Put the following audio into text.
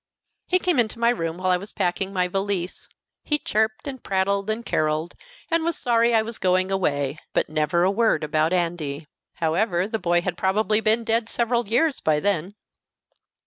He came into my room while I was packing my valise. He chirped, and prattled, and caroled, and was sorry I was going away but never a word about Andy. However, the boy had probably been dead several years then!